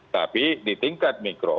tapi di tingkat mikro